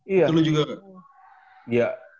itu lu juga gak